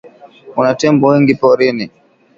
Kuna tembo wengi porini.